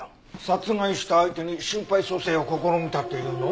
殺害した相手に心肺蘇生を試みたっていうの？